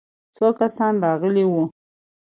څو کسان راغلي وو؟